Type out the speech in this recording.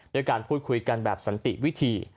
ด้วยการพูดคุยกันแบบสันติวิธี